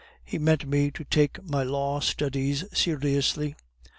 He meant me to take my law studies seriously.